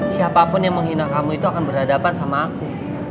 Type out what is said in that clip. siapapun yang menghina kamu itu akan berhadapan sama aku